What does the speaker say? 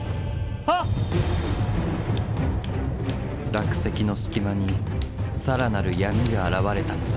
落石の隙間に更なる闇が現れたのだ。